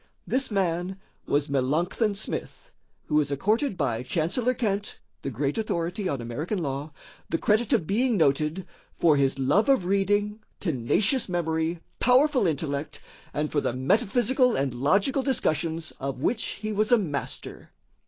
This man was Melancthon Smith, who is accorded by Chancellor Kent, the great authority on American law, the credit of being noted "for his love of reading, tenacious memory, powerful intellect, and for the metaphysical and logical discussions of which he was a master."